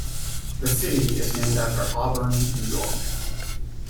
The city is named after Auburn, New York.